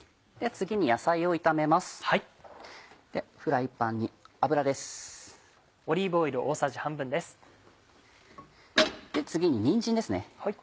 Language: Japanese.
次ににんじんですね。